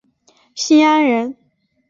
新安人。